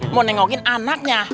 mau nengokin anaknya